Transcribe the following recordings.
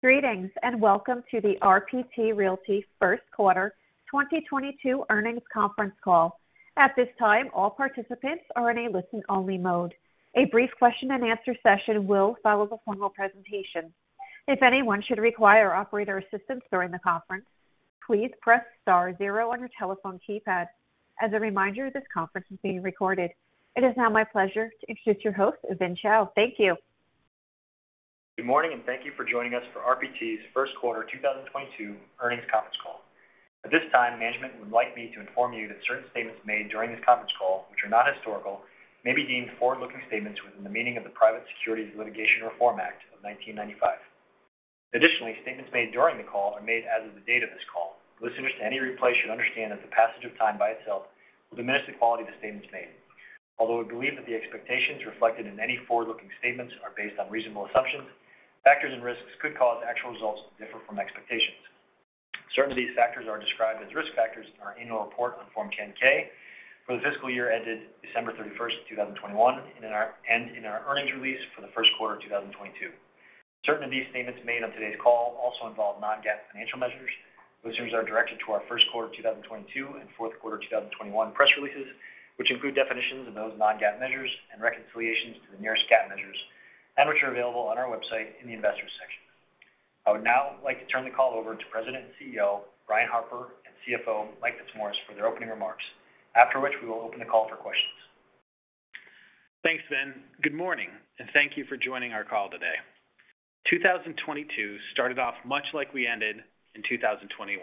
Greetings, and welcome to the RPT Realty first quarter 2022 earnings conference call. At this time, all participants are in a listen-only mode. A brief question and answer session will follow the formal presentation. If anyone should require operator assistance during the conference, please press star zero on your telephone keypad. As a reminder, this conference is being recorded. It is now my pleasure to introduce your host, Vin Chao. Thank you. Good morning, and thank you for joining us for RPT's first quarter 2022 earnings conference call. At this time, management would like me to inform you that certain statements made during this conference call which are not historical may be deemed forward-looking statements within the meaning of the Private Securities Litigation Reform Act of 1995. Additionally, statements made during the call are made as of the date of this call. Listeners to any replay should understand that the passage of time by itself will diminish the quality of the statements made. Although we believe that the expectations reflected in any forward-looking statements are based on reasonable assumptions, factors and risks could cause actual results to differ from expectations. Certain of these factors are described as risk factors in our annual report on Form 10-K for the fiscal year ended December 31, 2021, and in our earnings release for the first quarter of 2022. Certain of these statements made on today's call also involve non-GAAP financial measures. Listeners are directed to our first quarter 2022 and fourth quarter 2021 press releases, which include definitions of those non-GAAP measures and reconciliations to the nearest GAAP measures and which are available on our website in the Investors section. I would now like to turn the call over to President and CEO Brian Harper and CFO Mike Fitzmaurice for their opening remarks. After which, we will open the call for questions. Thanks, Vin. Good morning, and thank you for joining our call today. 2022 started off much like we ended in 2021,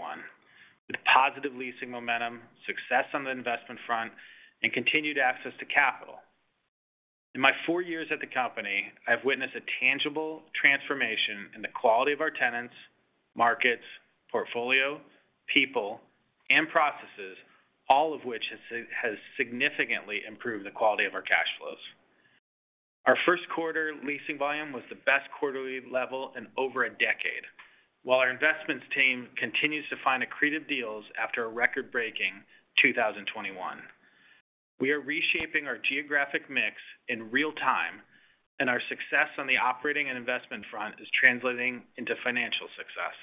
with positive leasing momentum, success on the investment front, and continued access to capital. In my four years at the company, I've witnessed a tangible transformation in the quality of our tenants, markets, portfolio, people, and processes, all of which has significantly improved the quality of our cash flows. Our first quarter leasing volume was the best quarterly level in over a decade, while our investments team continues to find accretive deals after a record-breaking 2021. We are reshaping our geographic mix in real time, and our success on the operating and investment front is translating into financial success.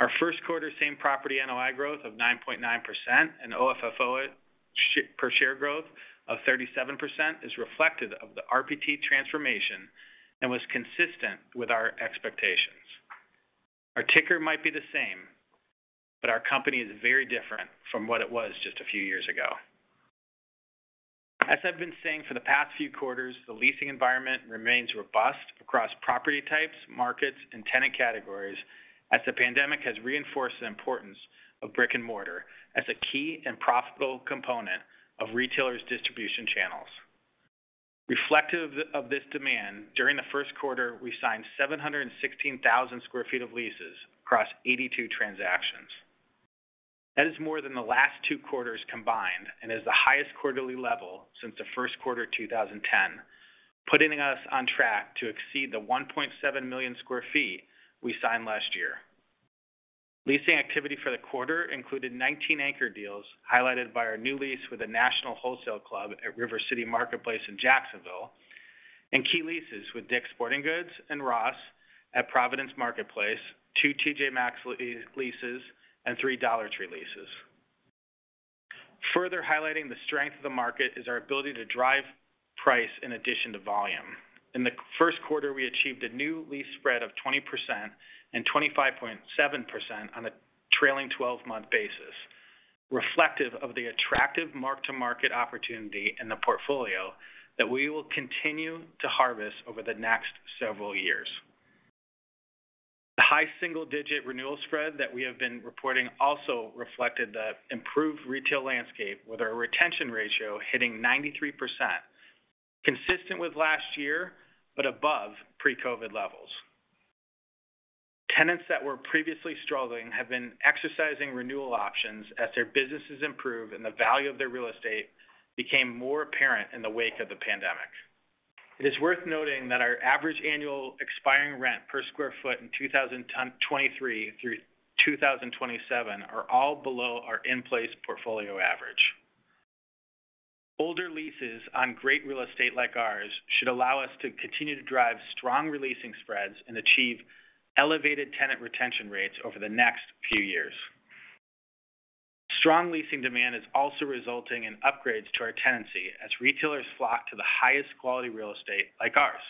Our first quarter same-property NOI growth of 9.9% and OFFO per share growth of 37% is reflective of the RPT transformation and was consistent with our expectations. Our ticker might be the same, but our company is very different from what it was just a few years ago. As I've been saying for the past few quarters, the leasing environment remains robust across property types, markets, and tenant categories as the pandemic has reinforced the importance of brick-and-mortar as a key and profitable component of retailers' distribution channels. Reflective of this demand, during the first quarter, we signed 716,000 sq ft of leases across 82 transactions. That is more than the last two quarters combined and is the highest quarterly level since the first quarter of 2010, putting us on track to exceed the 1.7 million sq ft we signed last year. Leasing activity for the quarter included 19 anchor deals, highlighted by our new lease with a national wholesale club at River City Marketplace in Jacksonville, and key leases with Dick's Sporting Goods and Ross at Providence Marketplace, two TJ Maxx leases, and three Dollar Tree leases. Further highlighting the strength of the market is our ability to drive price in addition to volume. In the first quarter, we achieved a new lease spread of 20% and 25.7% on a trailing twelve-month basis, reflective of the attractive mark-to-market opportunity in the portfolio that we will continue to harvest over the next several years. The high single-digit renewal spread that we have been reporting also reflected the improved retail landscape, with our retention ratio hitting 93%, consistent with last year, but above pre-COVID levels. Tenants that were previously struggling have been exercising renewal options as their businesses improve and the value of their real estate became more apparent in the wake of the pandemic. It is worth noting that our average annual expiring rent per sq ft in 2023 through 2027 are all below our in-place portfolio average. Older leases on great real estate like ours should allow us to continue to drive strong releasing spreads and achieve elevated tenant retention rates over the next few years. Strong leasing demand is also resulting in upgrades to our tenancy as retailers flock to the highest quality real estate like ours.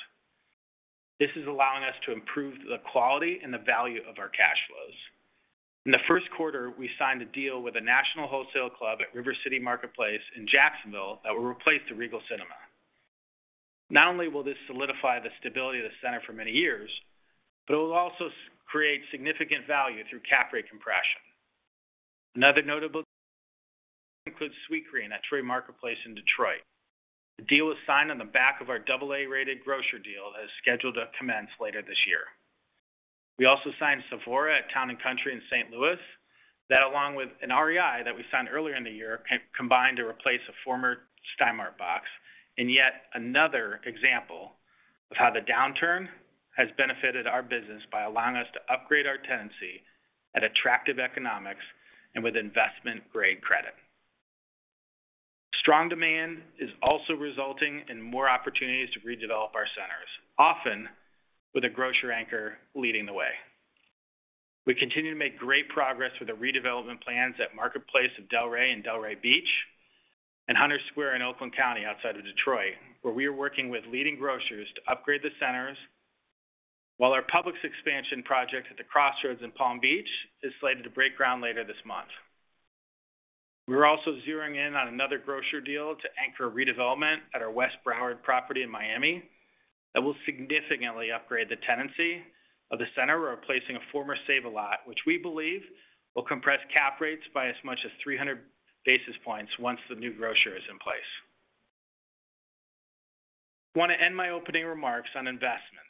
This is allowing us to improve the quality and the value of our cash flows. In the first quarter, we signed a deal with a national wholesale club at River City Marketplace in Jacksonville that will replace the Regal Cinemas. Not only will this solidify the stability of the center for many years, but it will also create significant value through cap rate compression. Another notable deal includes Sweetgreen at Troy Marketplace in Detroit. The deal was signed on the back of our double A-rated grocer deal and is scheduled to commence later this year. We also signed Sephora at Town & Country in St. Louis. That, along with an REI that we signed earlier in the year, have combined to replace a former Stein Mart box, and yet another example of how the downturn has benefited our business by allowing us to upgrade our tenancy at attractive economics and with investment-grade credit. Strong demand is also resulting in more opportunities to redevelop our centers, often with a grocery anchor leading the way. We continue to make great progress with the redevelopment plans at Marketplace of Delray in Delray Beach and Hunter's Square in Oakland County outside of Detroit, where we are working with leading grocers to upgrade the centers, while our Publix expansion project at the Crossroads in Palm Beach is slated to break ground later this month. We're also zeroing in on another grocer deal to anchor redevelopment at our West Broward property in Miami that will significantly upgrade the tenancy of the center. We're replacing a former Save-A-Lot, which we believe will compress cap rates by as much as 300 basis points once the new grocer is in place. I want to end my opening remarks on investments,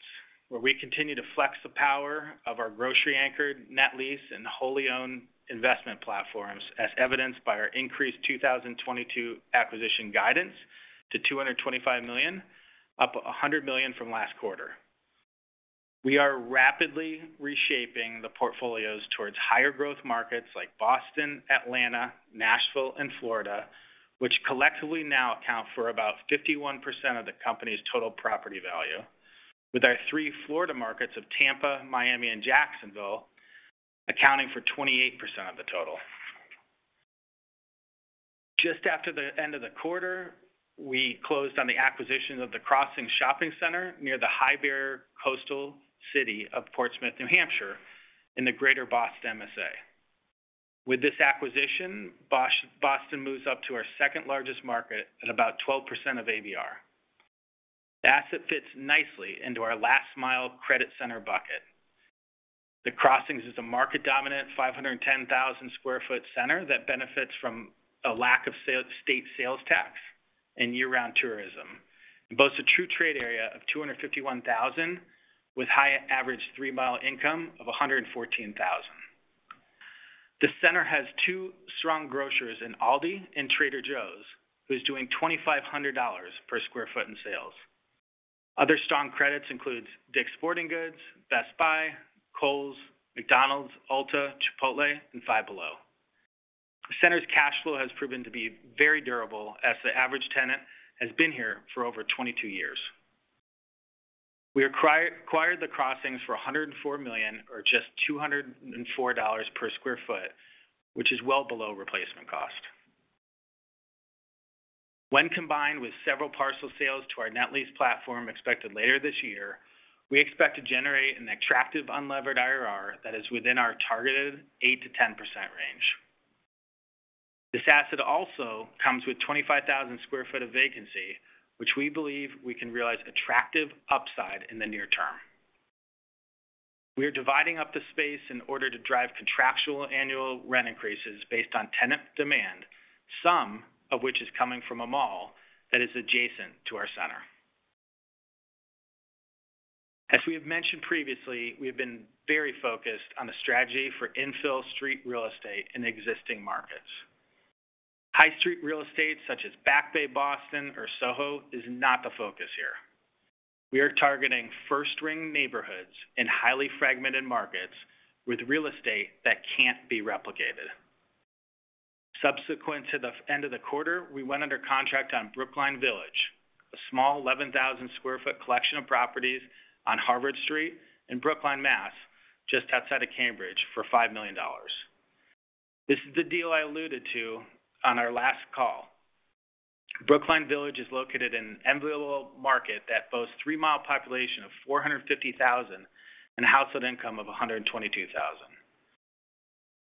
where we continue to flex the power of our grocery-anchored net lease and wholly owned investment platforms, as evidenced by our increased 2022 acquisition guidance to $225 million, up $100 million from last quarter. We are rapidly reshaping the portfolios towards higher growth markets like Boston, Atlanta, Nashville and Florida, which collectively now account for about 51% of the company's total property value, with our three Florida markets of Tampa, Miami and Jacksonville accounting for 28% of the total. Just after the end of the quarter, we closed on the acquisition of The Crossings near the high barrier coastal city of Portsmouth, New Hampshire, in the Greater Boston MSA. With this acquisition, Boston moves up to our second largest market at about 12% of ABR. The asset fits nicely into our last mile credit center bucket. The Crossings is a market dominant 510,000 sq ft center that benefits from a lack of state sales tax and year-round tourism, and boasts a true trade area of 251,000, with high average three-mile income of $114,000. The center has two strong grocers in Aldi and Trader Joe's, who's doing $2,500 per sq ft in sales. Other strong credits includes Dick's Sporting Goods, Best Buy, Kohl's, McDonald's, Ulta, Chipotle, and Five Below. The center's cash flow has proven to be very durable as the average tenant has been here for over 22 years. We acquired The Crossings for $104 million or just $204 per sq ft, which is well below replacement cost. When combined with several parcel sales to our net lease platform expected later this year, we expect to generate an attractive unlevered IRR that is within our targeted 8%-10% range. This asset also comes with 25,000 sq ft of vacancy, which we believe we can realize attractive upside in the near term. We are dividing up the space in order to drive contractual annual rent increases based on tenant demand, some of which is coming from a mall that is adjacent to our center. As we have mentioned previously, we have been very focused on the strategy for infill street real estate in existing markets. High street real estate such as Back Bay, Boston or Soho is not the focus here. We are targeting first ring neighborhoods in highly fragmented markets with real estate that can't be replicated. Subsequent to the end of the quarter, we went under contract on Brookline Village, a small 11,000 sq ft collection of properties on Harvard Street in Brookline, Mass., just outside of Cambridge for $5 million. This is the deal I alluded to on our last call. Brookline Village is located in an enviable market that boasts three-mile population of 450,000 and a household income of $122,000.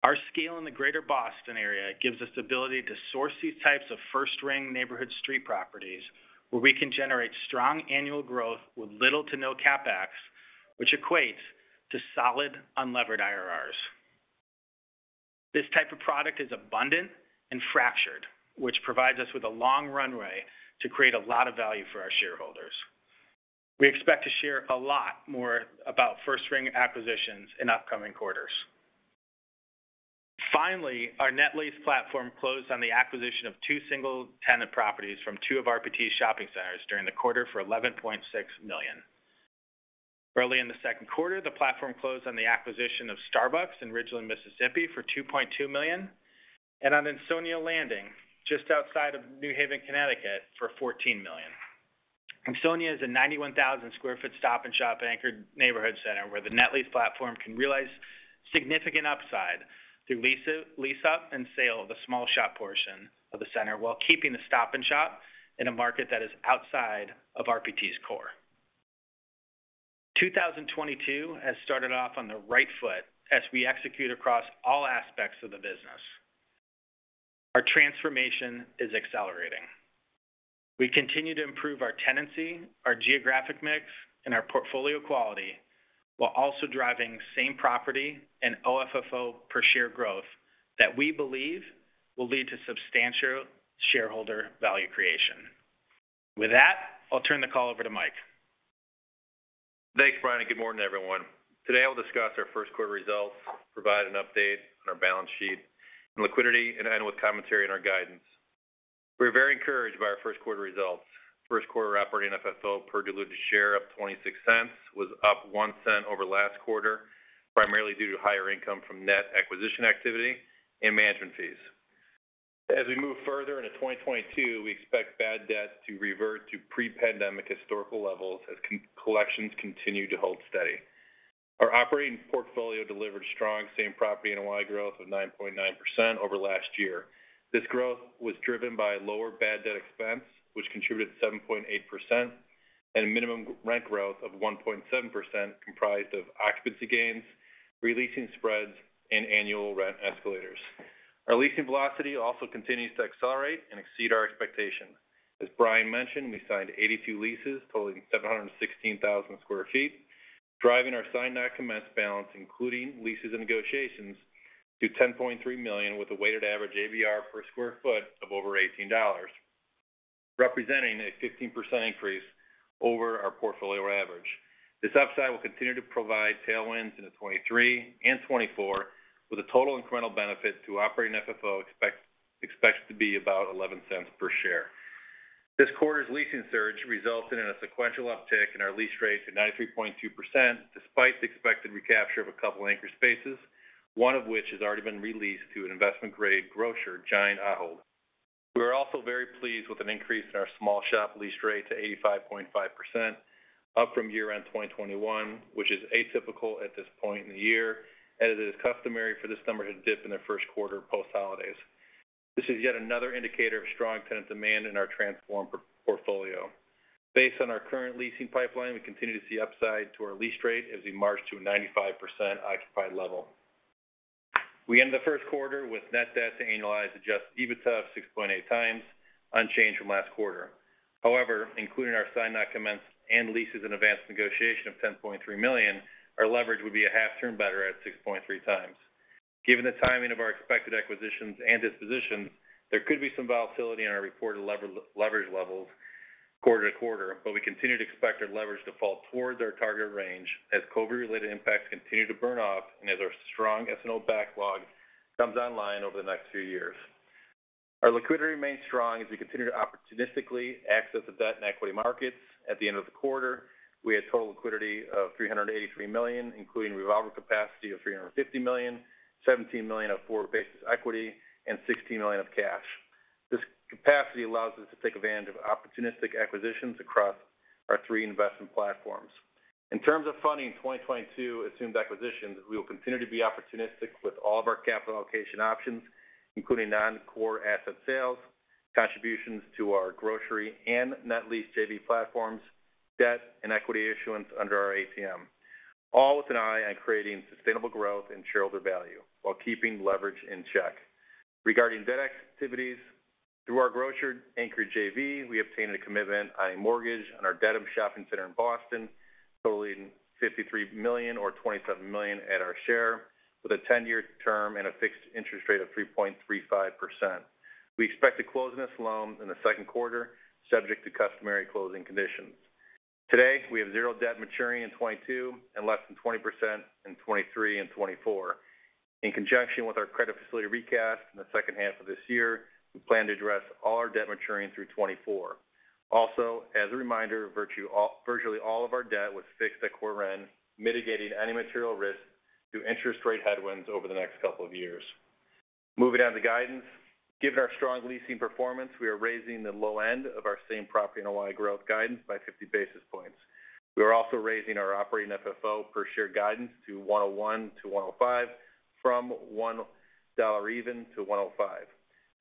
Our scale in the Greater Boston area gives us the ability to source these types of first ring neighborhood street properties where we can generate strong annual growth with little to no CapEx, which equates to solid unlevered IRRs. This type of product is abundant and fractured, which provides us with a long runway to create a lot of value for our shareholders. We expect to share a lot more about first ring acquisitions in upcoming quarters. Finally, our net lease platform closed on the acquisition of two single tenant properties from two of our RPT shopping centers during the quarter for $11.6 million. Early in the second quarter, the platform closed on the acquisition of Starbucks in Ridgeland, Mississippi for $2.2 million and on Ansonia Landing just outside of New Haven, Connecticut for $14 million. Ansonia is a 91,000 sq ft Stop & Shop-anchored neighborhood center where the net lease platform can realize significant upside through lease up and sale of the small shop portion of the center while keeping the Stop & Shop in a market that is outside of RPT's core. 2022 has started off on the right foot as we execute across all aspects of the business. Our transformation is accelerating. We continue to improve our tenancy, our geographic mix, and our portfolio quality while also driving same property and AFFO per share growth that we believe will lead to substantial shareholder value creation. With that, I'll turn the call over to Mike. Thanks, Brian, and good morning, everyone. Today I'll discuss our first quarter results, provide an update on our balance sheet and liquidity, and end with commentary on our guidance. We're very encouraged by our first quarter results. First quarter operating FFO per diluted share up $0.26 was up $0.01 over last quarter, primarily due to higher income from net acquisition activity and management fees. As we move further into 2022, we expect bad debt to revert to pre-pandemic historical levels as collections continue to hold steady. Our operating portfolio delivered strong same property NOI growth of 9.9% over last year. This growth was driven by lower bad debt expense, which contributed 7.8% and a minimum rent growth of 1.7% comprised of occupancy gains, re-leasing spreads, and annual rent escalators. Our leasing velocity also continues to accelerate and exceed our expectations. As Brian mentioned, we signed 82 leases totaling 716,000 sq ft, driving our signed not commenced balance, including leases and negotiations to 10.3 million with a weighted average ABR per square foot of over $18, representing a 15% increase over our portfolio average. This upside will continue to provide tailwinds into 2023 and 2024, with a total incremental benefit to operating FFO expected to be about $0.11 per share. This quarter's leasing surge resulted in a sequential uptick in our lease rate to 93.2% despite the expected recapture of a couple anchor spaces, one of which has already been re-leased to an investment-grade grocer giant Ahold. We are also very pleased with an increase in our small shop lease rate to 85.5%, up from year-end 2021, which is atypical at this point in the year, as it is customary for this number to dip in the first quarter post-holidays. This is yet another indicator of strong tenant demand in our transformed portfolio. Based on our current leasing pipeline, we continue to see upside to our lease rate as we march to a 95% occupied level. We end the first quarter with net debt to annualized adjusted EBITDA of 6.8x, unchanged from last quarter. However, including our signed, not commenced, and leases in advanced negotiation of $10.3 million, our leverage would be a half turn better at 6.3x. Given the timing of our expected acquisitions and dispositions, there could be some volatility in our reported leverage levels quarter to quarter, but we continue to expect our leverage to fall towards our target range as COVID-related impacts continue to burn off and as our strong SNO backlog comes online over the next few years. Our liquidity remains strong as we continue to opportunistically access the debt and equity markets. At the end of the quarter, we had total liquidity of $383 million, including revolving capacity of $350 million, $17 million of forward-based equity and $16 million of cash. This capacity allows us to take advantage of opportunistic acquisitions across our three investment platforms. In terms of funding 2022 assumed acquisitions, we will continue to be opportunistic with all of our capital allocation options, including non-core asset sales, contributions to our grocery and net lease JV platforms, debt and equity issuance under our ATM. All with an eye on creating sustainable growth and shareholder value while keeping leverage in check. Regarding debt activities, through our grocery anchored JV, we obtained a commitment on a mortgage on our Dedham shopping center in Boston, totaling $53 million or $27 million at our share, with a 10-year term and a fixed interest rate of 3.35%. We expect to close on this loan in the second quarter, subject to customary closing conditions. Today, we have zero debt maturing in 2022 and less than 20% in 2023 and 2024. In conjunction with our credit facility recast in the second half of this year, we plan to address all our debt maturing through 2024. Also, as a reminder, virtually all of our debt was fixed at core rent, mitigating any material risk through interest rate headwinds over the next couple of years. Moving on to guidance. Given our strong leasing performance, we are raising the low end of our same property NOI growth guidance by 50 basis points. We are also raising our operating FFO per share guidance to $1.01-$1.05 from $1.00-$1.05.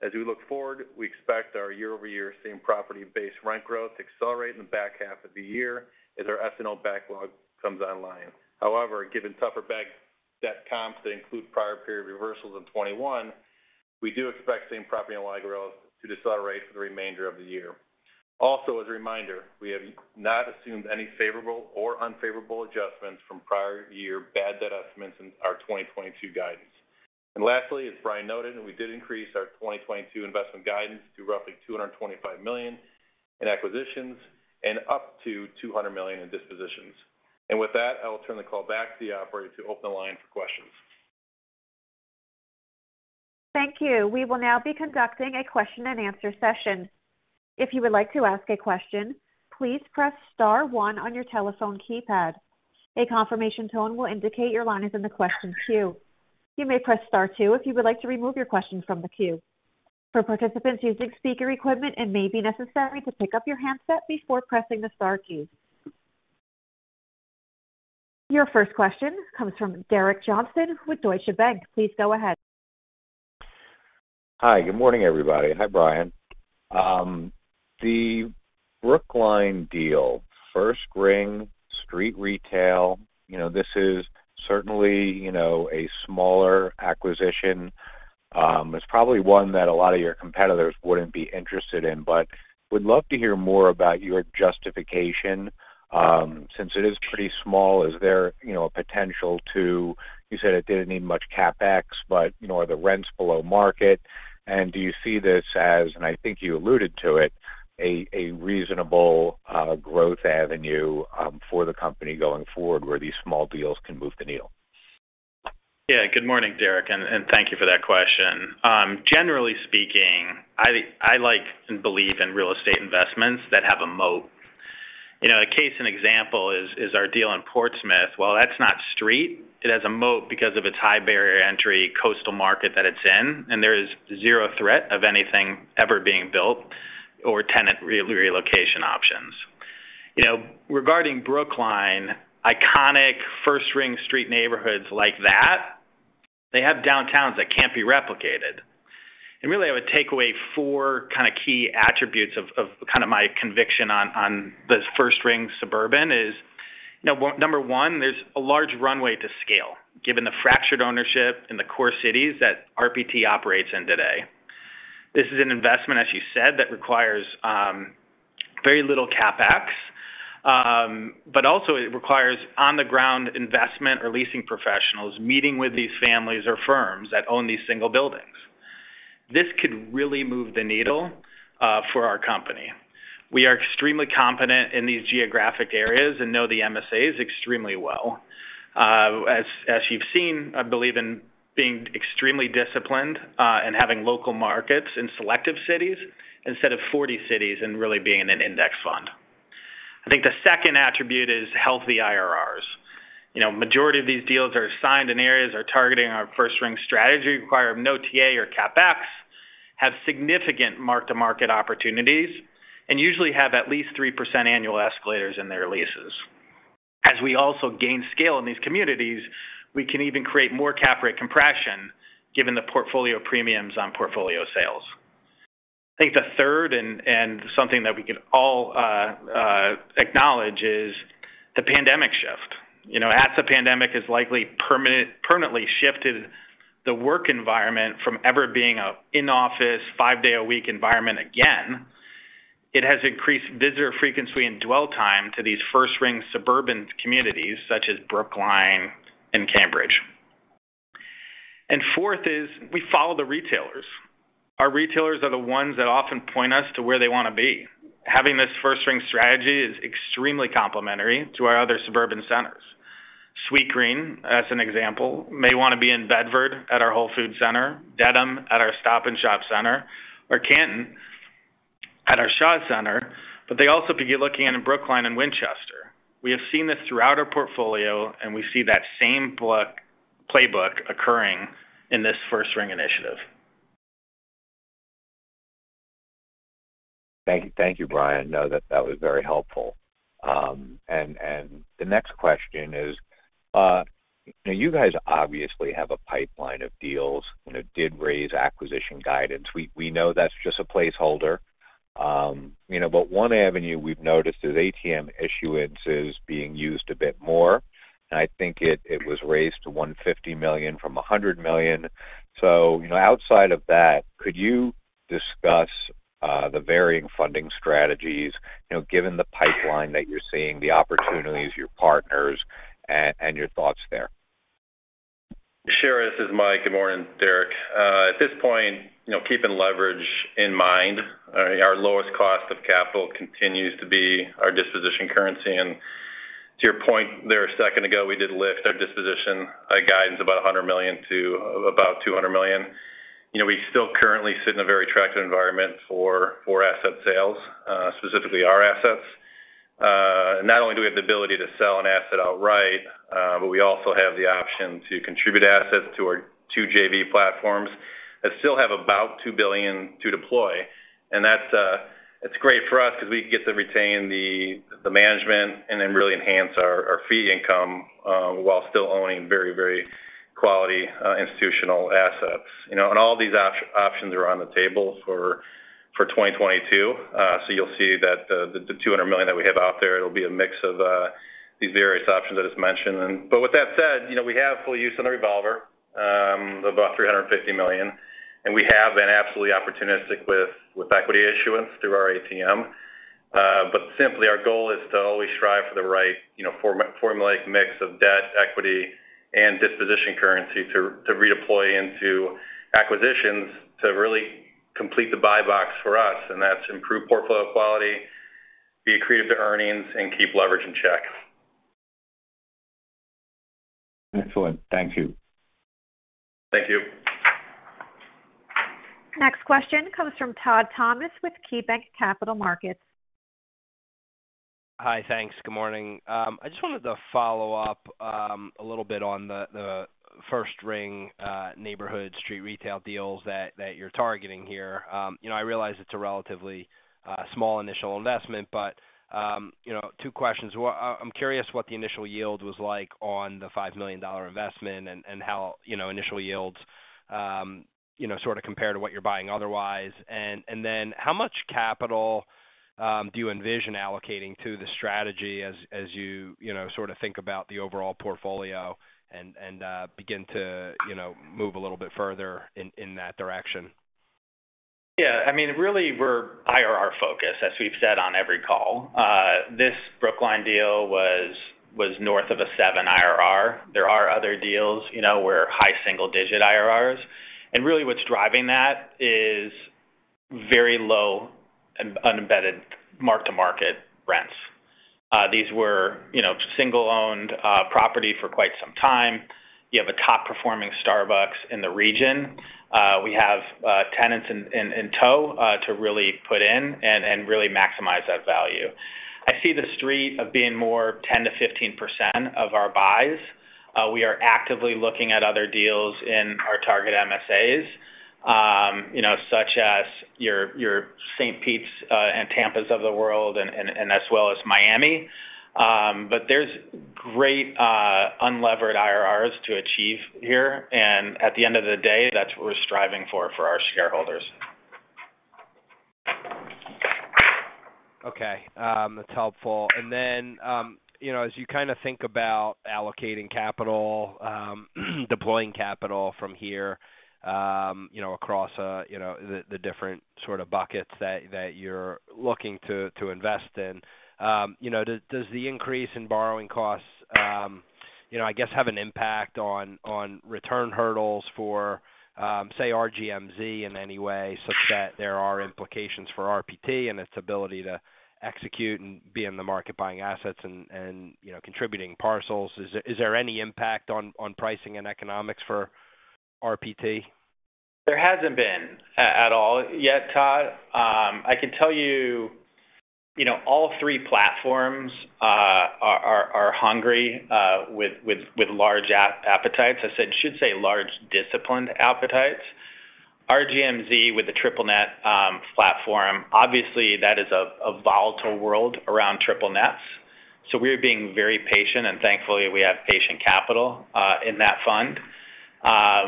As we look forward, we expect our year-over-year same property-based rent growth to accelerate in the back half of the year as our SNO backlog comes online. However, given tougher bad debt comps that include prior period reversals in 2021, we do expect same property NOI growth to decelerate for the remainder of the year. Also, as a reminder, we have not assumed any favorable or unfavorable adjustments from prior year bad debt estimates in our 2022 guidance. Lastly, as Brian noted, we did increase our 2022 investment guidance to roughly $225 million in acquisitions and up to $200 million in dispositions. With that, I will turn the call back to the operator to open the line for questions. Thank you. We will now be conducting a question and answer session. If you would like to ask a question, please press star one on your telephone keypad. A confirmation tone will indicate your line is in the question queue. You may press star two if you would like to remove your question from the queue. For participants using speaker equipment, it may be necessary to pick up your handset before pressing the star key. Your first question comes from Derek Johnston with Deutsche Bank. Please go ahead. Hi, good morning, everybody. Hi, Brian. The Brookline deal, first ring, street retail. You know, this is certainly, you know, a smaller acquisition. It's probably one that a lot of your competitors wouldn't be interested in, but would love to hear more about your justification. Since it is pretty small, is there a potential? You said it didn't need much CapEx, but are the rents below market? Do you see this as, I think you alluded to it, a reasonable growth avenue for the company going forward where these small deals can move the needle? Yeah. Good morning, Derek, and thank you for that question. Generally speaking, I like and believe in real estate investments that have a moat. You know, a case in example is our deal in Portsmouth. While that's not street, it has a moat because of its high barrier entry coastal market that it's in, and there is zero threat of anything ever being built or tenant relocation options. You know, regarding Brookline, iconic first ring street neighborhoods like that, they have downtowns that can't be replicated. Really, I would take away four kind of key attributes of kind of my conviction on this first ring suburban is, you know, number one, there's a large runway to scale, given the fractured ownership in the core cities that RPT operates in today. This is an investment, as you said, that requires very little CapEx. Also it requires on-the-ground investment or leasing professionals meeting with these families or firms that own these single buildings. This could really move the needle for our company. We are extremely confident in these geographic areas and know the MSAs extremely well. As, as you've seen, I believe in being extremely disciplined and having local markets in selective cities instead of 40 cities and really being in an index fund. I think the second attribute is healthy IRRs. You know, majority of these deals are signed in areas or targeting our first-ring strategy, require no TA or CapEx, have significant mark-to-market opportunities, and usually have at least 3% annual escalators in their leases. As we also gain scale in these communities, we can even create more cap rate compression given the portfolio premiums on portfolio sales. I think the third and something that we can all acknowledge is the pandemic shift. You know, as the pandemic has likely permanently shifted the work environment from ever being an in-office, five-day-a-week environment again, it has increased visitor frequency and dwell time to these first-ring suburban communities such as Brookline and Cambridge. Fourth is we follow the retailers. Our retailers are the ones that often point us to where they wanna be. Having this first-ring strategy is extremely complementary to our other suburban centers. Sweetgreen, as an example, may wanna be in Bedford at our Whole Foods center, Dedham at our Stop & Shop center, or Canton at our Shaw's center, but they also be looking in Brookline and Winchester. We have seen this throughout our portfolio, and we see that same playbook occurring in this first-ring initiative. Thank you, Brian. No, that was very helpful. The next question is, now you guys obviously have a pipeline of deals and it did raise acquisition guidance. We know that's just a placeholder. You know, one avenue we've noticed is ATM issuance is being used a bit more. I think it was raised to $150 million from $100 million. You know, outside of that, could you discuss the varying funding strategies, given the pipeline that you're seeing, the opportunities, your partners, and your thoughts there? Sure. This is Mike. Good morning, Derek. At this point, you know, keeping leverage in mind, our lowest cost of capital continues to be our disposition currency. To your point there a second ago, we did lift our disposition guidance about $100 million - about $200 million. You know, we still currently sit in a very attractive environment for asset sales, specifically our assets. Not only do we have the ability to sell an asset outright, but we also have the option to contribute assets to our two JV platforms that still have about $2 billion to deploy. That's, it's great for us 'cause we get to retain the management and then really enhance our fee income, while still owning very, very quality institutional assets. You know, all these options are on the table for 2022. So you'll see that the $200 million that we have out there, it'll be a mix of these various options that is mentioned. But with that said, you know, we have full use of the revolver of about $350 million, and we have been absolutely opportunistic with equity issuance through our ATM. But simply our goal is to always strive for the right, you know, formulate mix of debt, equity, and disposition currency to redeploy into acquisitions to really complete the buy box for us, and that's improve portfolio quality, be accretive to earnings, and keep leverage in check. Excellent. Thank you. Thank you. Next question comes from Todd Thomas with KeyBanc Capital Markets. Hi. Thanks. Good morning. I just wanted to follow up a little bit on the first ring neighborhood street retail deals that you're targeting here. You know, I realize it's a relatively small initial investment, but you know, two questions. Well, I'm curious what the initial yield was like on the $5 million investment and how you know, initial yields you know, sort of compare to what you're buying otherwise. Then how much capital do you envision allocating to the strategy as you you know, sort of think about the overall portfolio and begin to you know, move a little bit further in that direction? Yeah. I mean, really we're IRR focused, as we've said on every call. This Brookline deal was north of a 7 IRR. There are other deals, you know, where high single digit IRRs. Really what's driving that is very low and unembedded mark-to-market rents. These were, you know, single-owned property for quite some time. You have a top performing Starbucks in the region. We have tenants to really put in and really maximize that value. I see the Street as being more 10%-15% of our buys. We are actively looking at other deals in our target MSAs, you know, such as your St. Pete's and Tampa's of the world and as well as Miami. There's great unlevered IRRs to achieve here. At the end of the day, that's what we're striving for our shareholders. Okay. That's helpful. You know, as you kinda think about allocating capital, deploying capital from here, you know, across the different sort of buckets that you're looking to invest in, you know, does the increase in borrowing costs, you know, I guess, have an impact on return hurdles for, say, RGMZ in any way such that there are implications for RPT and its ability to execute and be in the market buying assets and, you know, contributing parcels? Is there any impact on pricing and economics for RPT? There hasn't been at all yet, Todd. I can tell you know, all three platforms are hungry with large appetites. I should say large disciplined appetites. RGMZ with the triple net platform, obviously, that is a volatile world around triple nets, so we're being very patient, and thankfully, we have patient capital in that fund.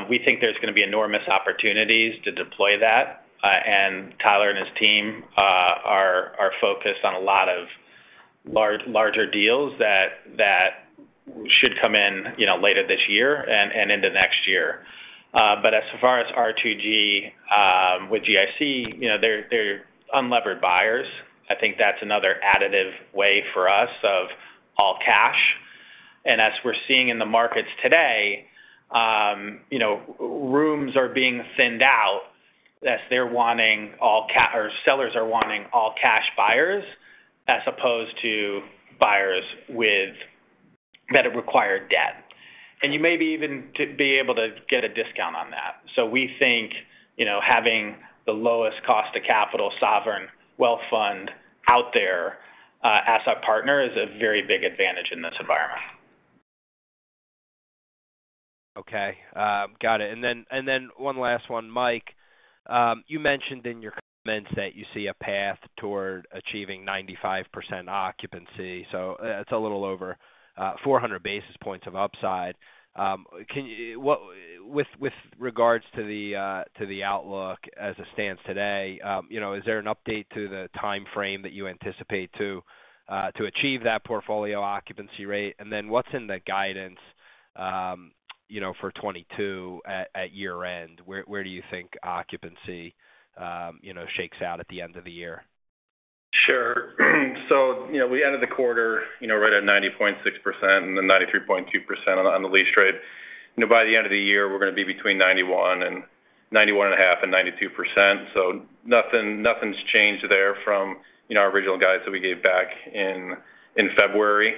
We think there's gonna be enormous opportunities to deploy that. And Tyler and his team are focused on a lot of larger deals that should come in, you know, later this year and into next year. But as far as R2G with GIC, you know, they're unlevered buyers. I think that's another attractive way for us of all cash. As we're seeing in the markets today, you know, ranks are being thinned out as sellers are wanting all-cash buyers as opposed to buyers that have required debt. You may even be able to get a discount on that. We think, you know, having the lowest cost of capital sovereign wealth fund out there as a partner is a very big advantage in this environment. Okay. Got it. Then one last one. Mike, you mentioned in your comments that you see a path toward achieving 95% occupancy, so that's a little over 400 basis points of upside. Can you, with regards to the outlook as it stands today, you know, is there an update to the timeframe that you anticipate to achieve that portfolio occupancy rate? And then what's in the guidance, you know, for 2022 at year-end? Where do you think occupancy, you know, shakes out at the end of the year? Sure. You know, we ended the quarter, you know, right at 90.6% and then 93.2% on the lease trade. You know, by the end of the year, we're gonna be between 91 and 91.5 and 92%. Nothing's changed there from, you know, our original guides that we gave back in February.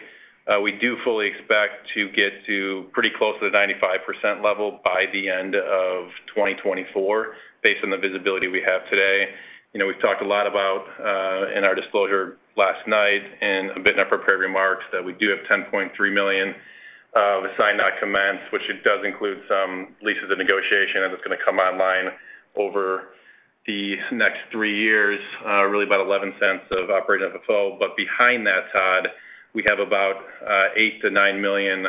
We do fully expect to get to pretty close to the 95% level by the end of 2024, based on the visibility we have today. You know, we've talked a lot about in our disclosure last night and a bit in our prepared remarks that we do have $10.3 million of signed, not commenced, which it does include some leases in negotiation, and it's gonna come online over the next three years, really about $0.11 of operating FFO. Behind that, Todd, we have about $8 million-$9 million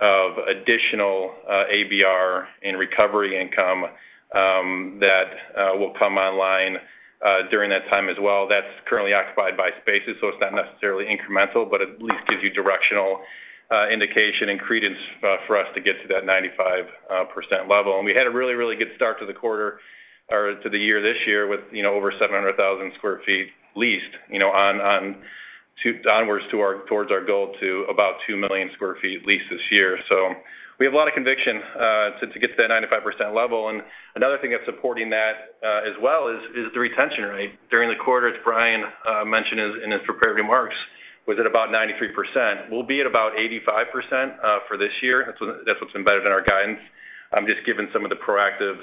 of additional ABR in recovery income that will come online during that time as well. That's currently occupied spaces, so it's not necessarily incremental, but at least gives you directional indication and credence for us to get to that 95% level. We had a really good start to the quarter or to the year this year with, you know, over 700,000 sq ft leased, you know, onwards towards our goal to about 2 million sq ft leased this year. We have a lot of conviction to get to that 95% level. Another thing that's supporting that as well is the retention rate. During the quarter, as Brian mentioned in his prepared remarks, was at about 93%. We'll be at about 85% for this year. That's what's been better than our guidance. Just given some of the proactive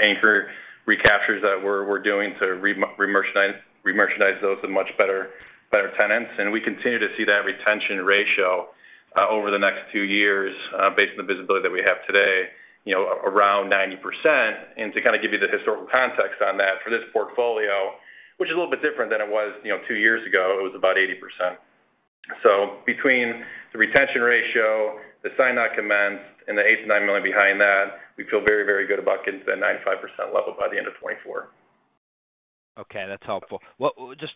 anchor recaptures that we're doing to re-merchandise those with much better tenants. We continue to see that retention ratio, over the next two years, based on the visibility that we have today, you know, around 90%. To kind of give you the historical context on that, for this portfolio, which is a little bit different than it was, you know, two years ago, it was about 80%. Between the retention ratio, the signed not opened, and the $8 million-$9 million behind that, we feel very, very good about getting to that 95% level by the end of 2024. Okay. That's helpful. Just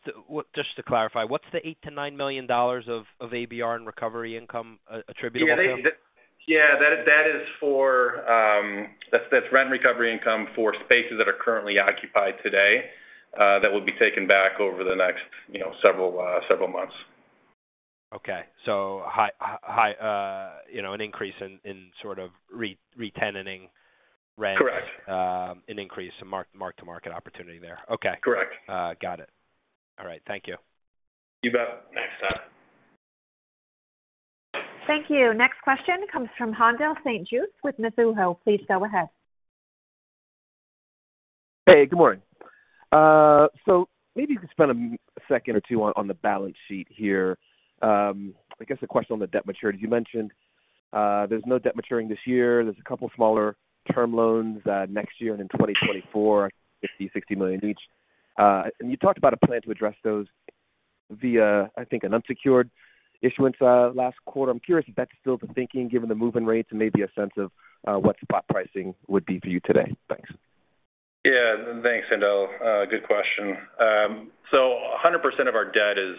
to clarify, what's the $8 million-$9 million of ABR and recovery income attributable to? That's rent and recovery income for spaces that are currently occupied today that will be taken back over the next, you know, several months. Okay. High, you know, an increase in sort of re-tenanting rent- Correct. An increase in mark-to-market opportunity there. Okay. Correct. Got it. All right. Thank you. You bet. Thanks, Todd. Thank you. Next question comes from Haendel St. Juste with Mizuho. Please go ahead. Hey, good morning. Maybe you could spend a second or two on the balance sheet here. I guess a question on the debt maturity. You mentioned there's no debt maturing this year. There's a couple smaller term loans next year and in 2024, $50 million, $60 million each. And you talked about a plan to address those via, I think, an unsecured issuance last quarter. I'm curious if that's still the thinking given the move in rates and maybe a sense of what spot pricing would be for you today. Thanks. Yeah. Thanks, Haendel. Good question. So 100% of our debt is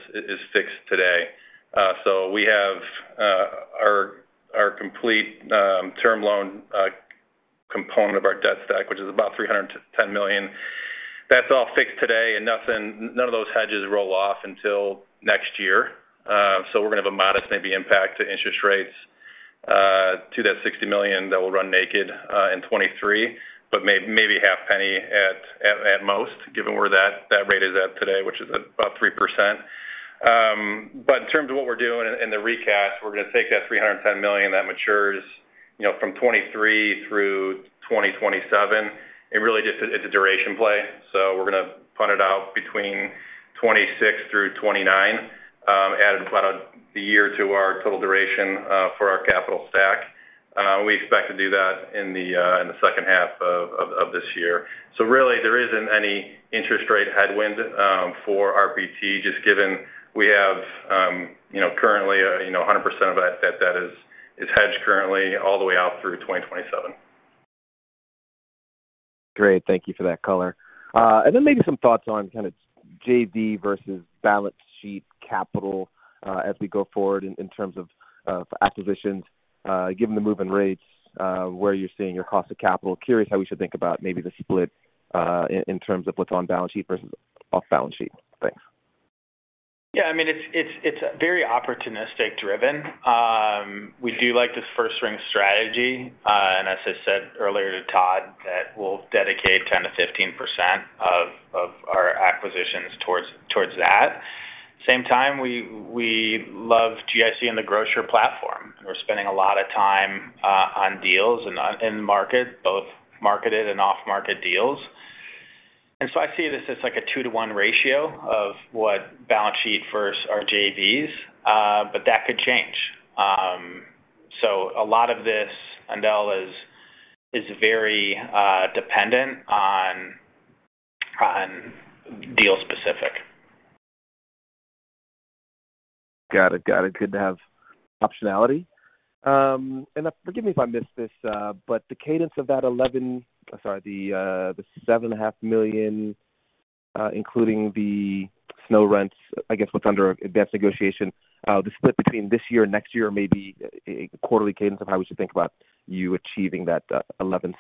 fixed today. So we have our complete term loan component of our debt stack, which is about $310 million. That's all fixed today, and none of those hedges roll off until next year. So we're gonna have a modest, maybe, impact to interest rates to that $60 million that will run naked in 2023, but maybe half a percent at most, given where that rate is at today, which is about 3%. In terms of what we're doing in the recast, we're gonna take that $310 million that matures, you know, from 2023 through 2027, and really just it's a duration play. We're gonna fund it out between 2026 through 2029, add about a year to our total duration, for our capital stack. We expect to do that in the second half of this year. Really there isn't any interest rate headwind for RPT, just given we have, you know, currently, you know, 100% of that debt that is hedged currently all the way out through 2027. Great. Thank you for that color. Maybe some thoughts on kind of JV versus balance sheet capital, as we go forward in terms of acquisitions. Given the move in rates, where you're seeing your cost of capital. Curious how we should think about maybe the split, in terms of what's on balance sheet versus off balance sheet. Thanks. Yeah. I mean, it's very opportunistically driven. We do like this first-ring strategy. As I said earlier to Todd, we'll dedicate 10%-15% of our acquisitions towards that. At the same time, we love GIC and the grocer platform. We're spending a lot of time on deals, both marketed and off-market deals. I see this as like a two-to-one ratio of what balance sheet versus our JVs, but that could change. A lot of this, Haendel, is very dependent on deal-specific. Got it. Good to have optionality. Forgive me if I missed this, but the cadence of the $7.5 million, including the SNO rents, I guess what's under advanced negotiation, the split between this year or next year, maybe a quarterly cadence of how we should think about you achieving that $0.11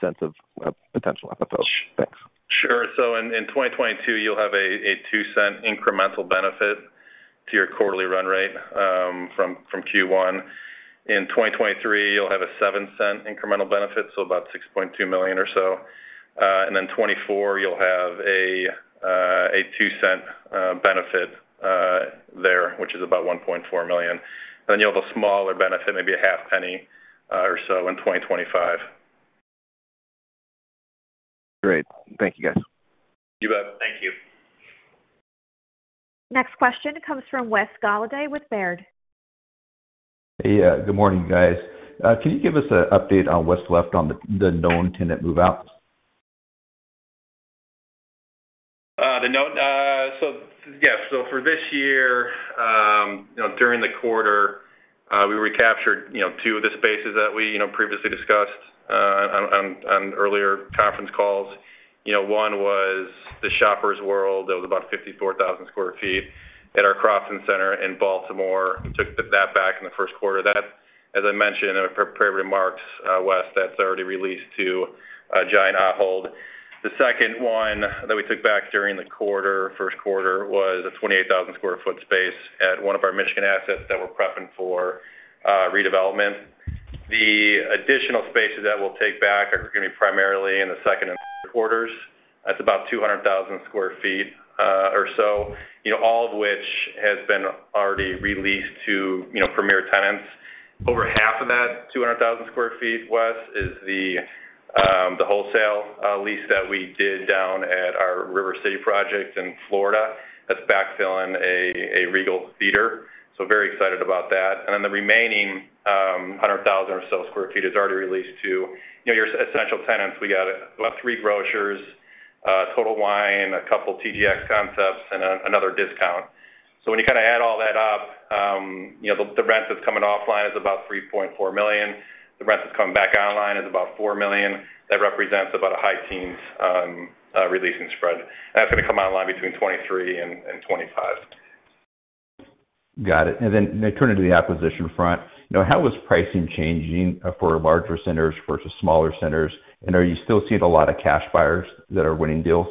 of potential FFO. Thanks. Sure. In 2022, you'll have a $0.02 incremental benefit to your quarterly run rate from Q1. In 2023, you'll have a $0.07 incremental benefit, so about $6.2 million or so. In 2024, you'll have a $0.02 benefit there, which is about $1.4 million. You'll have a smaller benefit, maybe a half-cent or so in 2025. Great. Thank you, guys. You bet. Thank you. Next question comes from Wes Golladay with Baird. Hey. Good morning, guys. Can you give us an update on what's left on the known tenant move-outs? For this year, you know, during the quarter, we recaptured, you know, two of the spaces that we, you know, previously discussed on earlier conference calls. You know, one was the Shoppers World. That was about 54,000 sq ft at our Crofton Center in Baltimore. Took that back in the first quarter. That, as I mentioned in my prepared remarks, Wes, that's already released to Giant Ahold. The second one that we took back during the quarter, first quarter, was a 28,000 sq ft space at one of our Michigan assets that we're prepping for redevelopment. The additional spaces that we'll take back are gonna be primarily in the second and fourth quarters. That's about 200,000 sq ft or so, you know, all of which has been already released to, you know, premier tenants. Over half of that 200,000 sq ft, Wes, is the wholesale lease that we did down at our River City project in Florida. That's backfilling a Regal Cinemas. Very excited about that. Then the remaining 100,000 sq ft or so sq ft is already released to, you know, your essential tenants. We got about three grocers, Total Wine & More, a couple TJX concepts, and another discount. When you kind of add all that up, you know, the rent that's coming offline is about $3.4 million. The rent that's coming back online is about $4 million. That represents about a high teens releasing spread. That's gonna come online between 2023 and 2025. Got it. Turning to the acquisition front, you know, how is pricing changing for larger centers versus smaller centers? Are you still seeing a lot of cash buyers that are winning deals?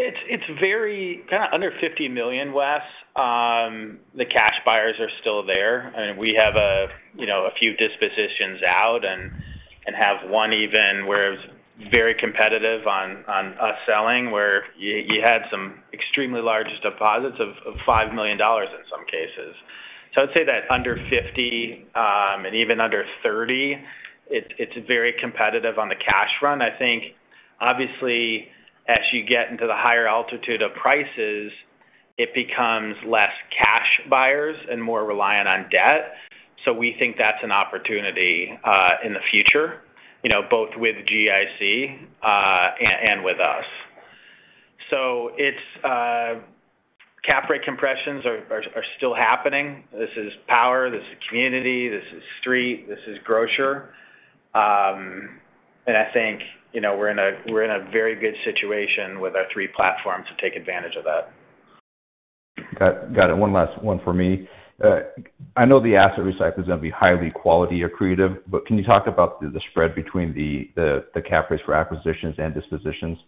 It's very kind of under $50 million, Wes. The cash buyers are still there, and we have a- You know, a few dispositions out and have one even where it's very competitive on us selling, where you had some extremely large deposits of $5 million in some cases. I'd say that under $50 million and even under $30 million, it's very competitive on the cash front. I think obviously as you get into the higher altitude of prices, it becomes less cash buyers and more reliant on debt. We think that's an opportunity in the future, you know, both with GIC and with us. It's cap rate compressions are still happening. This is power, this is community, this is street, this is grocer. I think, you know, we're in a very good situation with our three platforms to take advantage of that. Got it. One last one from me. I know the asset recycles are gonna be highly quality accretive, but can you talk about the spread between the cap rates for acquisitions and dispositions?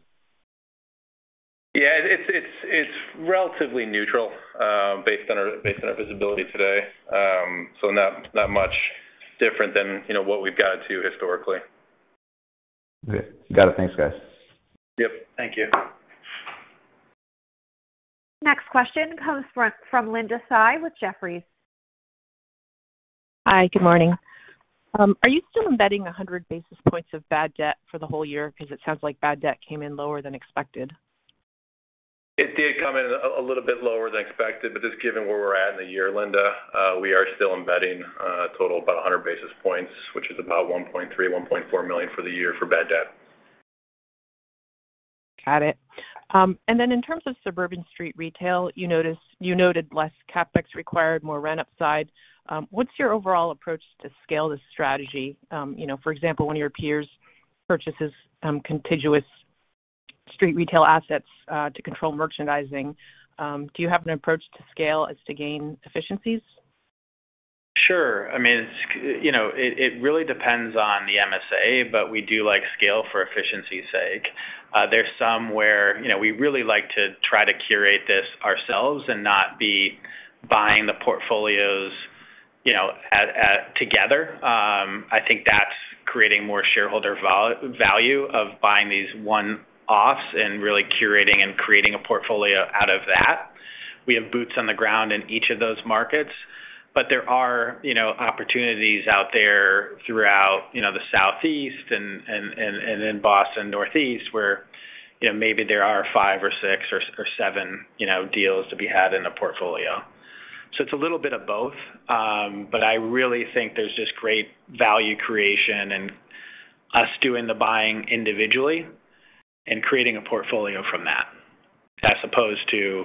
Yeah. It's relatively neutral, based on our visibility today. Not much different than, you know, what we've guided to historically. Okay. Got it. Thanks, guys. Yep. Thank you. Next question comes from Linda Tsai with Jefferies. Hi, good morning. Are you still embedding 100 basis points of bad debt for the whole year? 'Cause it sounds like bad debt came in lower than expected. It did come in a little bit lower than expected, but just given where we're at in the year, Linda, we are still embedding a total of about 100 basis points, which is about $1.3 million-$1.4 million for the year for bad debt. Got it. In terms of suburban street retail, you noted less CapEx required, more rent upside. What's your overall approach to scale this strategy? You know, for example, one of your peers purchases contiguous street retail assets to control merchandising. Do you have an approach to scale so as to gain efficiencies? Sure. I mean, it really depends on the MSA, but we do like scale for efficiency's sake. There's some where we really like to try to curate this ourselves and not be buying the portfolios together. I think that's creating more shareholder value of buying these one-offs and really curating and creating a portfolio out of that. We have boots on the ground in each of those markets. But there are opportunities out there throughout the Southeast and in Boston, Northeast, where maybe there are five or six or seven deals to be had in a portfolio. It's a little bit of both. I really think there's just great value creation and us doing the buying individually and creating a portfolio from that, as opposed to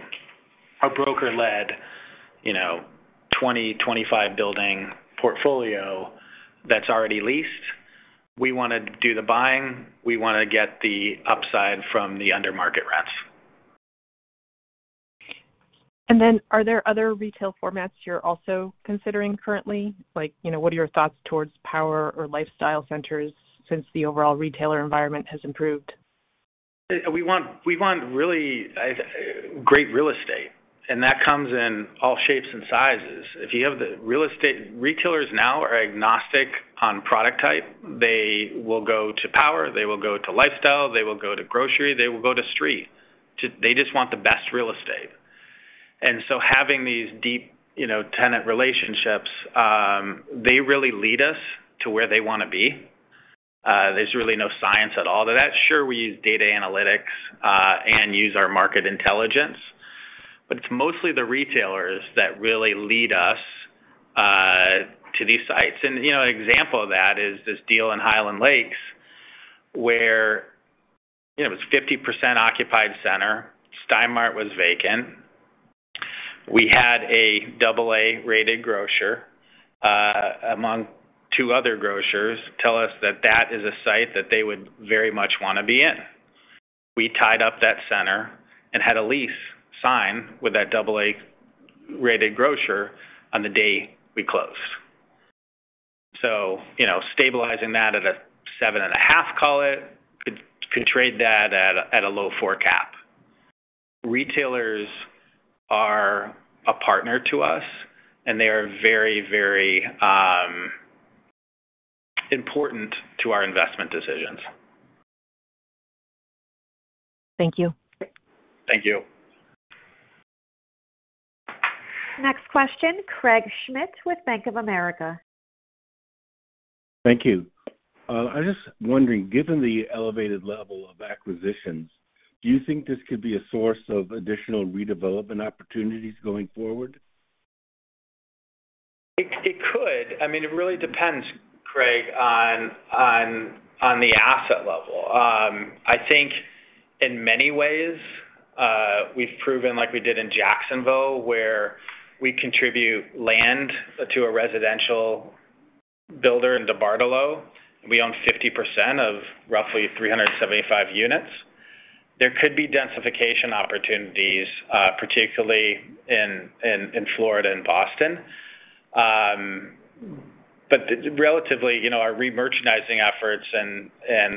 a broker-led, you know, 20-25 building portfolio that's already leased. We wanna do the buying. We wanna get the upside from the under market rents. Are there other retail formats you're also considering currently? Like, you know, what are your thoughts towards power or lifestyle centers since the overall retailer environment has improved? We want really great real estate, and that comes in all shapes and sizes. If you have the real estate, retailers now are agnostic on product type. They will go to power, they will go to lifestyle, they will go to grocery, they will go to street. They just want the best real estate. Having these deep, you know, tenant relationships, they really lead us to where they wanna be. There's really no science at all to that. Sure, we use data analytics and use our market intelligence. It's mostly the retailers that really lead us to these sites. You know, an example of that is this deal in Highland Lakes, where, you know, it was 50% occupied center. Stein Mart was vacant. We had a double A-rated grocer among two other grocers tell us that that is a site that they would very much wanna be in. We tied up that center and had a lease signed with that double A-rated grocer on the day we closed. You know, stabilizing that at a 7.5 call it, could trade that at a low four cap. Retailers are a partner to us, and they are very, very important to our investment decisions. Thank you. Thank you. Next question, Craig Schmidt with Bank of America. Thank you. I was just wondering, given the elevated level of acquisitions, do you think this could be a source of additional redevelopment opportunities going forward? It could. I mean, it really depends, Craig, on the asset level. I think in many ways, we've proven like we did in Jacksonville, where we contribute land to a residential builder in DeBartolo. We own 50% of roughly 375 units. There could be densification opportunities, particularly in Florida and Boston. Relatively, you know, our remerchandising efforts and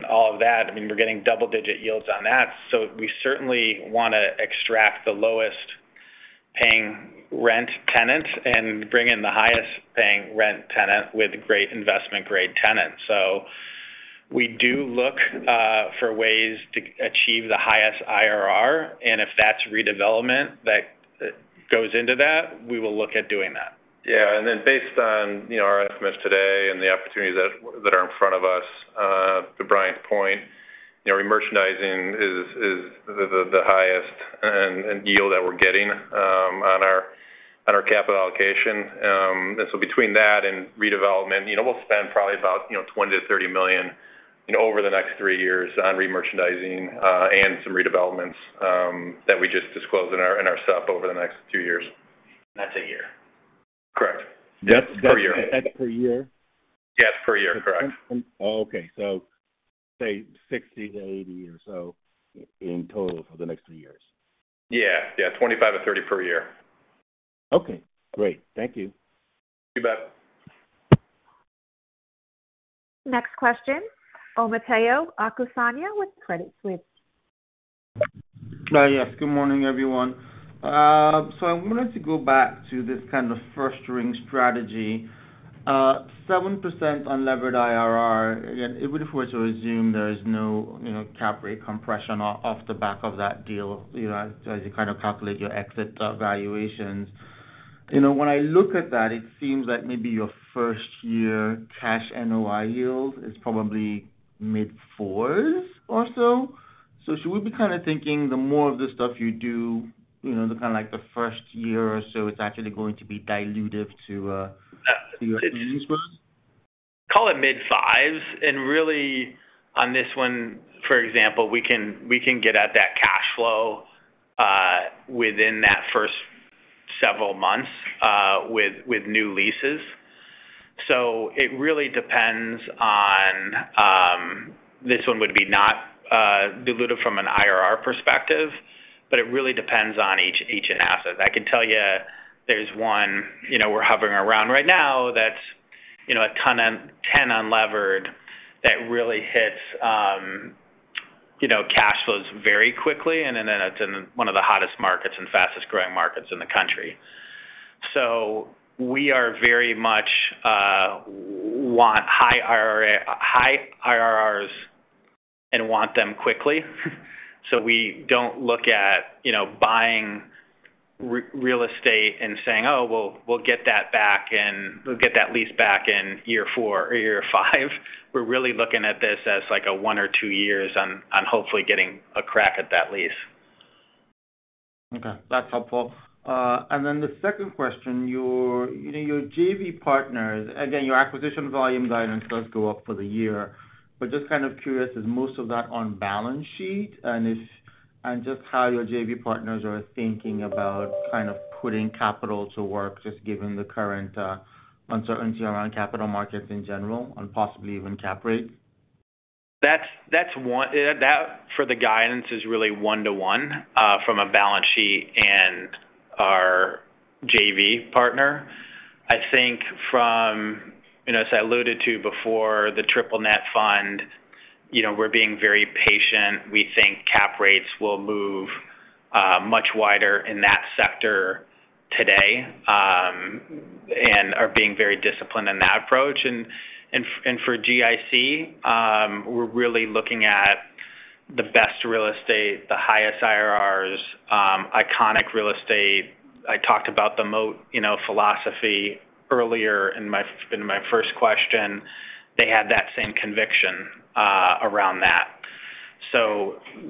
all of that, I mean, we're getting double-digit yields on that, so we certainly wanna extract the lowest-paying rent tenants and bring in the highest-paying rent tenant with great investment-grade tenants. We do look for ways to achieve the highest IRR, and if that's redevelopment that goes into that, we will look at doing that. Yeah. Then based on our estimates today and the opportunities that are in front of us, to Brian's point, you know, remerchandising is the highest and yield that we're getting on our capital allocation. So between that and redevelopment, you know, we'll spend probably about $20 million-$30 million over the next three years on remerchandising and some redevelopments that we just disclosed in our Supp over the next two years. That's a year. Correct. Per year. That's per year? Yes, per year. Correct. Oh, okay. Say $60 million-$80 million or so in total for the next three years. Yeah. $25 million-$30 million per year. Okay, great. Thank you. You bet. Next question, Omotayo Okusanya with Credit Suisse. Yes. Good morning, everyone. I wanted to go back to this kind of first ring strategy. 7% unlevered IRR, again, if we were to assume there is no, you know, cap rate compression off the back of that deal, you know, as you kind of calculate your exit valuations. You know, when I look at that, it seems like maybe your first year cash NOI yield is probably mid-fours or so. Should we be kind of thinking the more of the stuff you do, you know, the kind of like the first year or so, it's actually going to be dilutive to your earnings growth? Call it mid-fives. Really on this one, for example, we can get at that cash flow with new leases. It really depends on, this one would be not dilutive from an IRR perspective, but it really depends on each asset. I can tell you there's one, you know, we're hovering around right now that's, you know, 10 unlevered that really hits, you know, cash flows very quickly, and then it's in one of the hottest markets and fastest-growing markets in the country. We very much want high IRRs and want them quickly. We don't look at, you know, buying real estate and saying, "Oh, we'll get that lease back in year four or year five." We're really looking at this as like a one or two years on hopefully getting a crack at that lease. Okay, that's helpful. The second question, your, you know, your JV partners. Again, your acquisition volume guidance does go up for the year, but just kind of curious, is most of that on balance sheet? And just how your JV partners are thinking about kind of putting capital to work, just given the current uncertainty around capital markets in general and possibly even cap rate. That's one for the guidance is really one to one from a balance sheet and our JV partner. I think from you know as I alluded to before the triple-net fund you know we're being very patient. We think cap rates will move much wider in that sector today and are being very disciplined in that approach. For GIC we're really looking at the best real estate the highest IRRs iconic real estate. I talked about the moat you know philosophy earlier in my first question. They had that same conviction around that.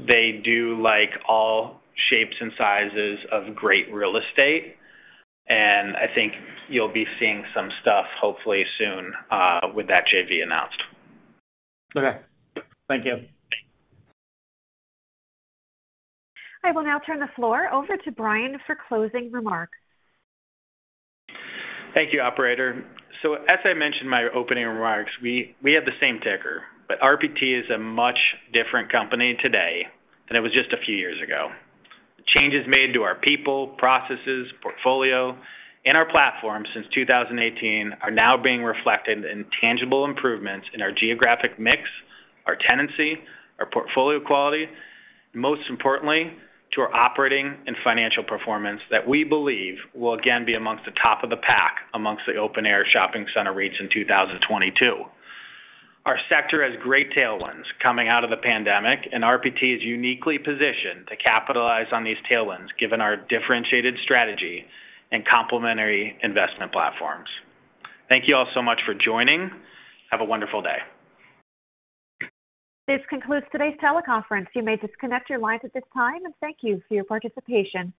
They do like all shapes and sizes of great real estate and I think you'll be seeing some stuff hopefully soon with that JV announced. Okay. Thank you. I will now turn the floor over to Brian for closing remarks. Thank you, operator. As I mentioned in my opening remarks, we have the same ticker. RPT is a much different company today than it was just a few years ago. The changes made to our people, processes, portfolio, and our platform since 2018 are now being reflected in tangible improvements in our geographic mix, our tenancy, our portfolio quality, most importantly, to our operating and financial performance that we believe will again be amongst the top of the pack amongst the open-air shopping center REITs in 2022. Our sector has great tailwinds coming out of the pandemic, and RPT is uniquely positioned to capitalize on these tailwinds given our differentiated strategy and complementary investment platforms. Thank you all so much for joining. Have a wonderful day. This concludes today's teleconference. You may disconnect your lines at this time. Thank you for your participation.